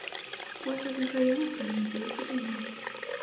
У асобных раёнах прагназуецца туман.